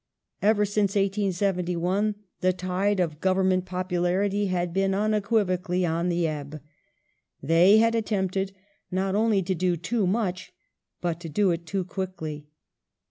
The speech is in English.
Ever since 1871 the tide of Govern ment popularity had been unequivocably on the ebb. They had attempted not only to do too much, but to do it too quickly.